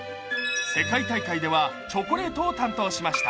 世界大会ではチョコレートを担当しました。